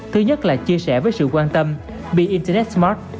thứ nhất là chia sẻ với sự quan tâm bị internet smart